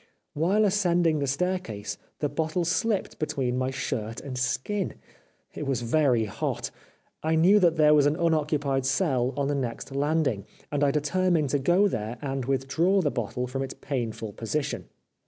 While ascending the staircase the bottle slipped between my shirt and skin. It was very hot. I knew that there was an unoccupied cell on the next landing, and I determined to go there and withdraw the bottle from its painful position.